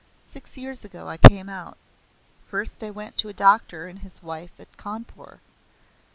Six years ago I came out. First I went to a doctor and his wife at Cawnpore.